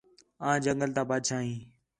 آں جنگل تا بادشاہ ہیں